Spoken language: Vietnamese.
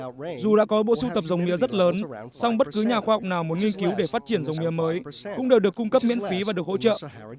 tuy nhiên dù đã có bộ sưu tập dòng mía rất lớn song bất cứ nhà khoa học nào muốn nghiên cứu để phát triển dòng mía mới cũng đều được cung cấp miễn phí và được hỗ trợ